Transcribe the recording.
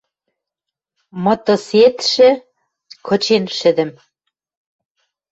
Мытысетшӹ кычен шӹдӹм